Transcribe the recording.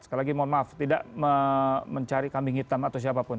sekali lagi mohon maaf tidak mencari kambing hitam atau siapapun